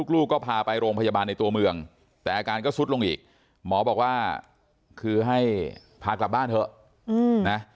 ลูกก็พาไปโรงพยาบาลในตัวเมืองแต่อาการก็สุดลงอีกหมอบอกว่าคือให้พากลับบ้านเถอะนะ